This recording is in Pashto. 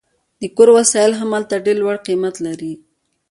د کور وسایل هم هلته ډیر لوړ قیمت لري